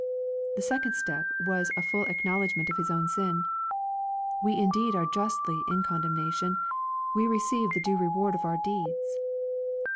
— The second step was a full acknowledgment of his own sin. " We indeed are justly in condemnation. We receive the due reward of our deeds."